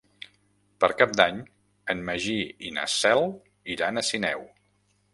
Per Cap d'Any en Magí i na Cel iran a Sineu.